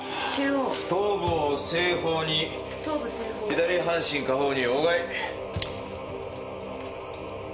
頭部を西方に左半身下方に横臥。